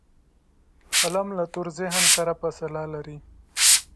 قلم له تور ذهن سره فاصله لري